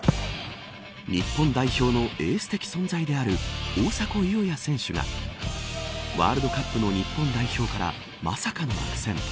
日本代表のエース的存在である大迫勇也選手がワールドカップの日本代表からまさかの落選。